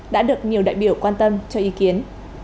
đã được nhiều đại biểu quan tâm cho ý kiến